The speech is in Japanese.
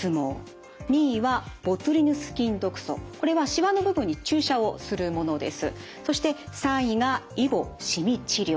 これはしわの部分に注射をするものです。